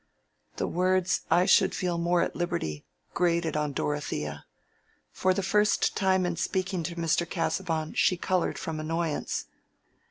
The words "I should feel more at liberty" grated on Dorothea. For the first time in speaking to Mr. Casaubon she colored from annoyance.